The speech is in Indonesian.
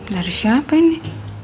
dari siapa ini